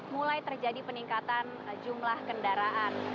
mulai terjadi peningkatan jumlah kendaraan